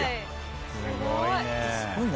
すごい！